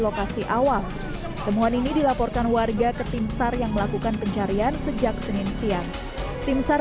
lokasi awal temuan ini dilaporkan warga ke timsar yang melakukan pencarian sejak senin siang timsar